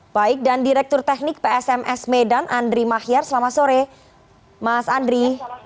baik dan direktur teknik psms medan andri mahyar selamat sore mas andri